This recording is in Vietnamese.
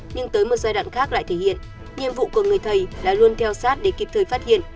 nhưng tới một giai đoạn khác lại thể hiện nhiệm vụ của người thầy là luôn theo sát để kịp thời phát hiện